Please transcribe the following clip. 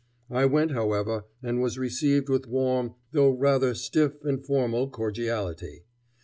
I went, however, and was received with warm, though rather stiff and formal, cordiality.